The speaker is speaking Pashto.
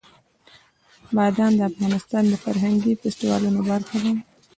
بادام د افغانستان د فرهنګي فستیوالونو برخه ده.